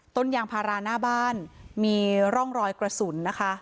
ต้นยางพาราหน้าบ้านมีร่องรอยกระสุนนะคะ